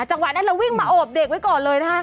จังหวะนั้นเราวิ่งมาโอบเด็กไว้ก่อนเลยนะคะ